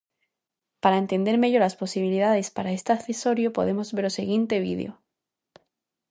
Para entender mellor as posibilidades para este accesorio podemos ver o seguinte vídeo: